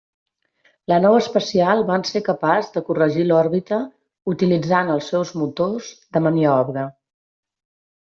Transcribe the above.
La nau espacial van ser capaç de corregir l'òrbita utilitzant els seus motors de maniobra.